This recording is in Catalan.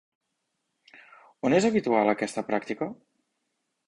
On és habitual aquesta pràctica?